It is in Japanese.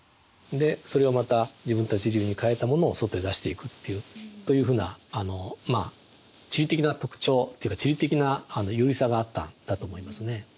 でそれをまた自分たち流に変えたものを外に出していくというふうな地理的な特徴というか地理的な優位さがあったんだと思いますね。